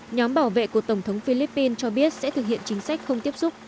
nhóm bảo vệ của tổng thống philippines cho biết sẽ thực hiện chính sách không tiếp xúc